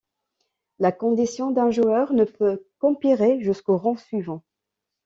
La condition d'un joueur ne peut qu'empirer jusqu'au round suivant.